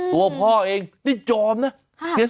ตัวพ่อเองนี่ยอมนะ